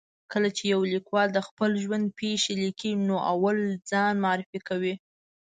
کله چې یو لیکوال د خپل ژوند پېښې لیکي، نو اول ځان معرفي کوي.